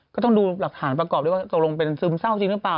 ก็ต้องดูหลักฐานประกอบด้วยว่าตกลงเป็นซึมเศร้าจริงหรือเปล่า